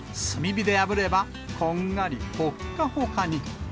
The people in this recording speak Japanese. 炭火であぶれば、こんがりほっかほかに。